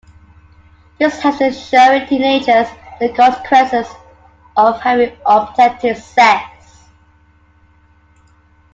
This helps in showing teenagers the consequences of having unprotected sex.